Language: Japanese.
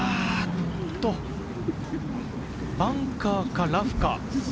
バンカーかラフか。